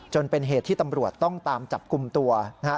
จนเป็นเหตุที่ตำรวจต้องตามจับกลุ่มตัวนะฮะ